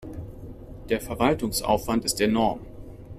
Der Verwaltungsaufwand ist enorm.